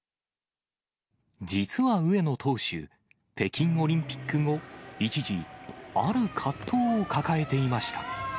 実は上野投手、北京オリンピック後、一時、ある葛藤を抱えていました。